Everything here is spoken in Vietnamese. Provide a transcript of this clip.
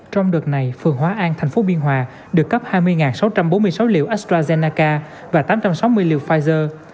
trong đợt này phường hóa an thành phố biên hòa được cấp hai mươi sáu trăm bốn mươi sáu liều astrazeneca và tám trăm sáu mươi liều pfizer